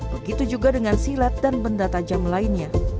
begitu juga dengan silat dan benda tajam lainnya